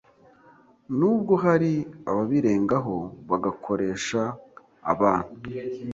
Nubwo hari ababirengaho bagakoresha abana